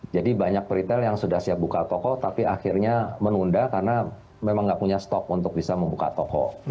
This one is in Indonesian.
jadi banyak pritel yang sudah siap buka toko tapi akhirnya menunda karena memang nggak punya stok untuk bisa membuka toko